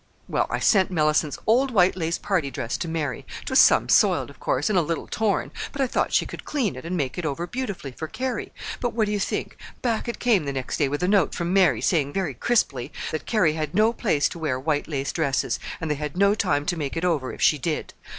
Well, I sent Mellicent's old white lace party dress to Mary. 'Twas some soiled, of course, and a little torn; but I thought she could clean it and make it over beautifully for Carrie. But, what do you think?—back it came the next day with a note from Mary saying very crisply that Carrie had no place to wear white lace dresses, and they had no time to make it over if she did.